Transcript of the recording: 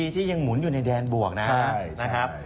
ที่ยังหมุนอยู่ในแดนบวกนะครับ